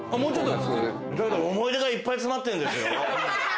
だけど思い出がいっぱい詰まってるんですよ。